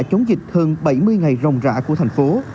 chống dịch hơn bảy mươi ngày rồng rã của thành phố